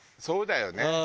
そうだよね。